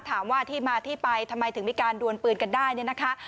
ถามว่าที่มาที่ไปทำไมถึงมีการดวนปืนกันได้เนี่ยนะคะ